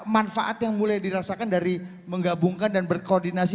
manfaat yang mulai dirasakan dari menggabungkan dan berkoordinasi